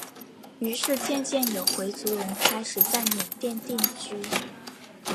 于是渐渐有回族人开始在缅甸定居。